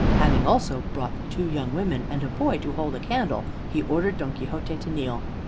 Having also brought the two young women, and a boy to hold a candle, he ordered Don Quixote to kneel.